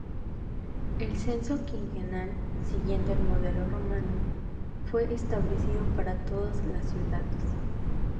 El censo quinquenal, siguiendo el modelo romano, fue establecido para todas las ciudades.